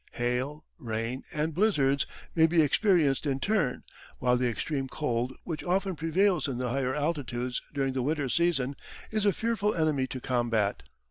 Hail, rain, and blizzards may be experienced in turn, while the extreme cold which often prevails in the higher altitudes during the winter season is a fearful enemy to combat.